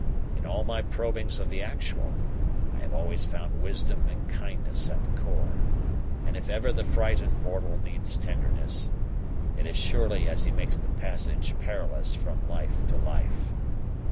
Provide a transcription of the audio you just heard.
In all my probings of the actual, I have always found wisdom and kindness at the core; and if ever the frightened mortal needs tenderness, it is surely as he makes the passage perilous from life to life.